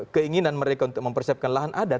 keinginan mereka untuk mempersiapkan lahan ada